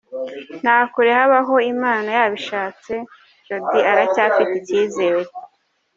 Nta kure habaho Imana yabishatse, Jody aracyafite icyizere.